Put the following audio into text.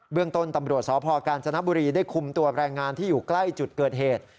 เรื่องต้นตำรวจสพกาญจนบุรีได้คุมตัวแรงงานที่อยู่ใกล้จุดเกิดเหตุ